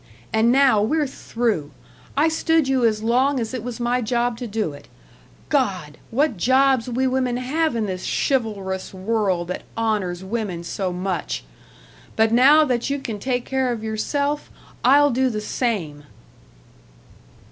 And now we're through. I stood you as long as it was my job to do it. God! what jobs we women have in this chivalrous world that honors women so much! but now that you can take care of yourself, I'll do the same."